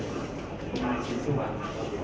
สวัสดีครับ